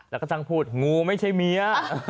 แล้วก็ช่างพูดงูไม่ใช่เมีย